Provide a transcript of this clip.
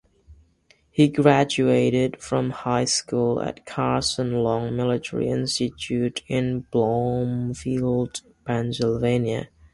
He graduated from high school at Carson Long Military Institute in New Bloomfield, Pennsylvania.